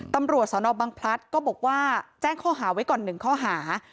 ตำรวจสนบังพลัดก็บอกว่าแจ้งข้อหาไว้ก่อน๑ข้อหา